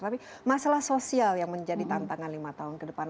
tapi masalah sosial yang menjadi tantangan lima tahun ke depan